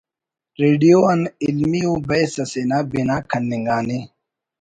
ریڈیو آن علمی ءُ بحث اسے نا بنا کننگانے